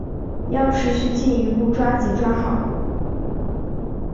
要持续进一步抓紧抓好